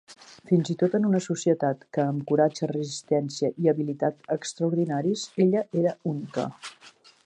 Fins i tot en una societat que amb coratge, resistència i habilitat extraordinaris, ella era única.